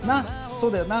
そうだよな？